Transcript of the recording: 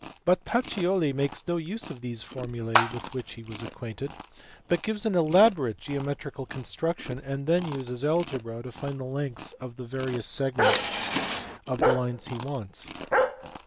But Pacioli makes no use of these formulae (with which he was acquainted) but gives an elaborate geometrical construction and then uses algebra to find the lengths of various segments of the lines he wants.